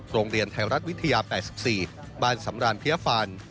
โรงเรียนไทยรัฐวิทยา๘๔บ้านสำราญเพียฟัน